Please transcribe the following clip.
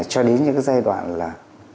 cho đến những giai đoạn là